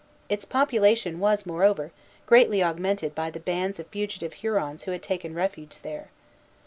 Its population was, moreover, greatly augmented by the bands of fugitive Hurons who had taken refuge there.